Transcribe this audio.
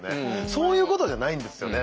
そういうことじゃないんですよね。